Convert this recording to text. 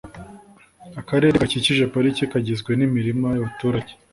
Akarere gakikije Pariki kagizwe n’imirima y’abaturage